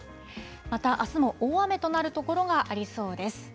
またあすも大雨となる所がありそうです。